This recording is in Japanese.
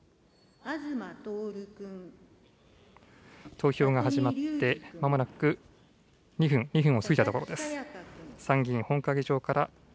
投票が始まってまもなく２分、２分を過ぎたところです。